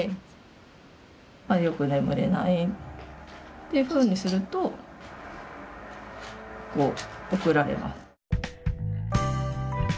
「よく眠れない」というふうにするとこう送られます。